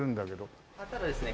ただですね